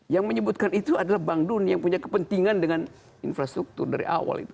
yang menyebutkan itu adalah bank dunia yang punya kepentingan dengan infrastruktur dari awal itu